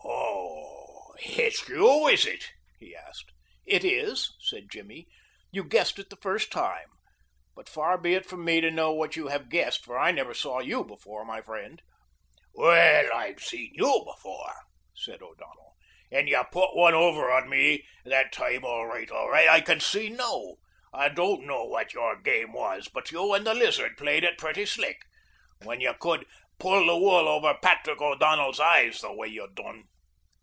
"Oh, it's you, is it?" he asked. "It is," said Jimmy; "you guessed it the first time, but far be it from me to know what you have guessed, as I never saw you before, my friend." "Well, I've seen you before," said O'Donnell, "and ye put one over on me that time all roight, I can see now. I don't know what your game was, but you and the Lizard played it pretty slick when you could pull the wool over Patrick O'Donnell's eyes the way ye done."